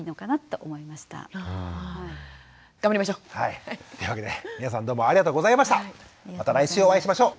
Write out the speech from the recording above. というわけで皆さんどうもありがとうございました。